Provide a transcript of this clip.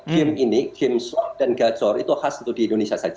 game ini game slot dan gacor itu khas untuk di indonesia saja